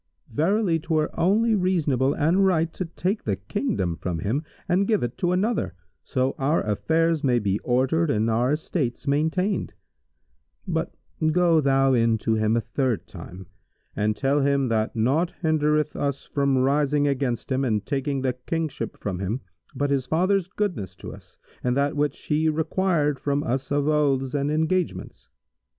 Verily 'twere only reasonable and right to take the Kingdom from him and give it to another, so our affairs may be ordered and our estates maintained; but go thou in to him a third time and tell him that naught hindereth us from rising against him and taking the Kingship from him but his father's goodness to us and that which he required from us of oaths and engagements.